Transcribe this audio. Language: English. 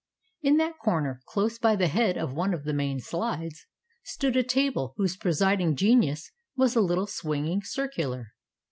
In that corner, close by the head of one of the main slides, stood a table whose presiding genius was a little swinging circular.